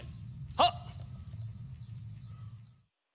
はっ！